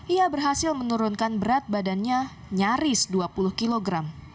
ia berhasil menurunkan berat badannya nyaris dua puluh kg